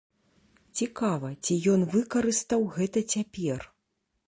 Цікава, ці ён выкарыстаў гэта цяпер.